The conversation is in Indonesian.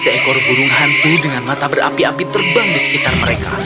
seekor burung hantu dengan mata berapi api terbang di sekitar mereka